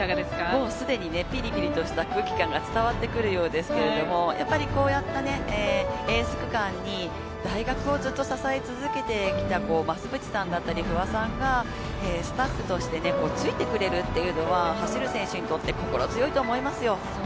もう既にピリピリとした空気感が伝わってくるようですけれども、やっぱりこういったエース区間に、大学をずっと支え続けてきた増渕さんだったり、不破さんがスタッフとしてついてくれるというのは、走る選手にとって心強いと思いますよ。